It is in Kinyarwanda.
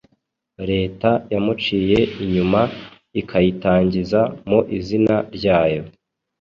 leta yamuciye inyuma ikayitangiza mu izina ryayo.